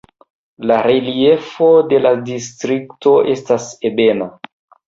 La reliefo de la distrikto estas ebena.